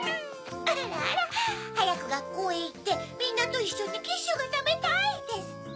あらあら「はやくがっこうへいってみんなといっしょにキッシュがたべたい」ですって！